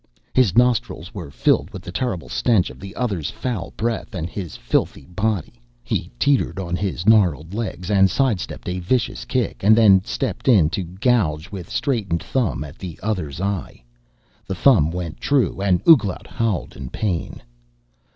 His nostrils were filled with the terrible stench of the other's foul breath and his filthy body. He teetered on his gnarled legs and side stepped a vicious kick and then stepped in to gouge with straightened thumb at the other's eye. The thumb went true and Ouglat howled in pain.